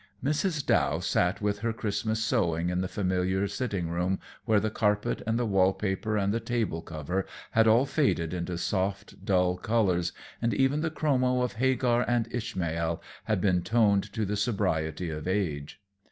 Mrs. Dow sat with her Christmas sewing in the familiar sitting room, where the carpet and the wall paper and the table cover had all faded into soft, dull colors, and even the chromo of Hagar and Ishmael had been toned to the sobriety of age.